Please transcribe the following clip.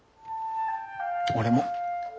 俺も。